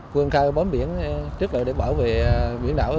quân khai bóng biển trước lượng để bảo vệ biển đảo